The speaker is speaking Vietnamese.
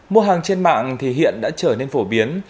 mua hàng trên mạng thì hiện đã trở nên phổ biến